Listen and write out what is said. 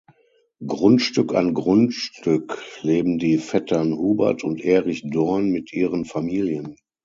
Grundstück an Grundstück leben die Vettern Hubert und Erich Dorn mit ihren Familien.